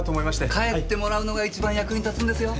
帰ってもらうのが一番役に立つんですよ。